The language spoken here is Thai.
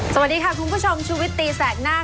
สวัสดีค่ะคุณผู้ชมชูวิตตีแสกหน้า